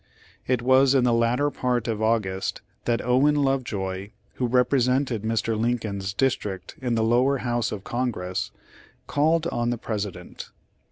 It was in the latter part of August that Owen Lovejoy, who represented Mr. Lincoln's District in the Lower House of Congress, called on the President.